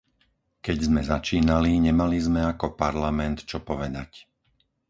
Keď sme začínali, nemali sme ako Parlament čo povedať.